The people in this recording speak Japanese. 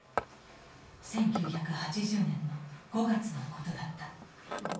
１９８０年の５月のことだった。